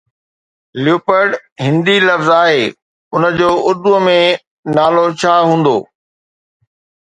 Leopard Hindi لفظ آهي، ان جو اردو ۾ نالو ڇا هوندو؟